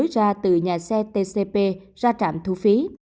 và từ nhà xe tcp ra trạm thu phí